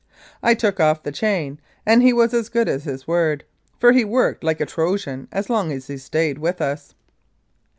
I took off the chain, and he was as good as his word, for he worked like a Trojan as long as he stayed with us.